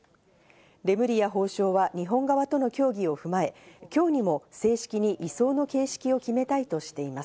レムリヤ法相は日本側との協議を踏まえ、今日にも正式に移送の形式を決めたいとしています。